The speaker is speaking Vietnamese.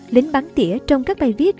lính bắn tỉa trong các bài viết